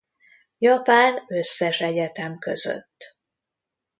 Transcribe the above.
Japán összes egyetem között.